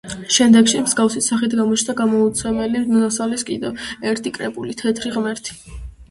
შემდგომში მსგავსი სახით გამოჩნდა გამოუცემელი მასალის კიდევ ერთი კრებული, „თეთრი ღმერთი“.